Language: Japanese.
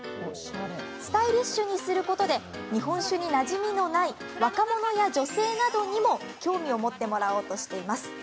スタイリッシュにすることで日本酒になじみのない若者や女性などにも興味を持ってもらおうとしています。